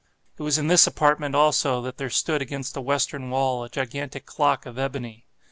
It was in this apartment, also, that there stood against the western wall, a gigantic clock of ebony.